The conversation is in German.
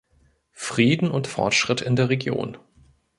Frieden und Fortschritt in der Region.